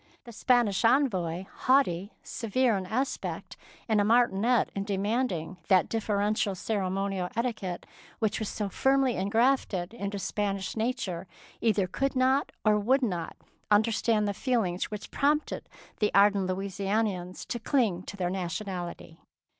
The Spanish envoy, haughty, severe in aspect, and a martinet in demanding that deferential ceremonial etiquette which was so firmly engrafted into Spanish nature, either could not or 197 DEEDS OF DABING would not understand the feelings which prompted the ardent Louisian ians to cling to their nationality.